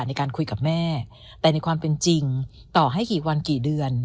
ในการคุยกับแม่แต่ในความเป็นจริงต่อให้กี่วันกี่เดือน